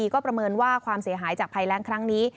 ก็ประเมินว่าความเสียหายจากภัยแรงครั้งนี้